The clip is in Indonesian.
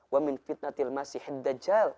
wa min fitnatil ma sihid dajjal